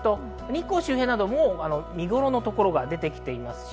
日光周辺など見頃のところが出てきています。